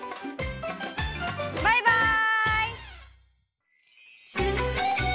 バイバイ！